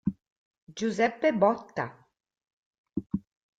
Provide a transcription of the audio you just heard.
Giuseppe Botta